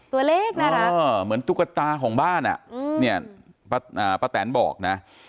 ตัวเล็กน่ารักเหมือนตุ๊กตาของบ้านอ่ะเนี่ยป้าแตนบอกนะ